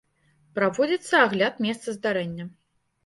Праводзіцца агляд месца здарэння.